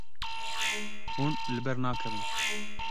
Hûn li ber nakevin.